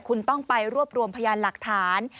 คุณต้องไปรวบรวมพยานหลักฐาน